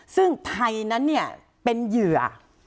ซึ่งไทยนั้นเนี่ยเป็นเหยื่อ